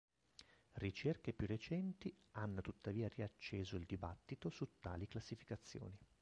Ricerche più recenti hanno tuttavia riacceso il dibattito su tali classificazioni.